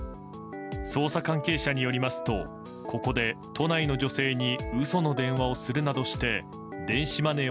捜査関係者によりますとここで都内の女性に嘘の電話をするなどして電子マネー